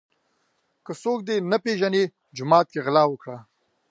ـ که څوک دې نه پیژني جومات کې غلا وکړه.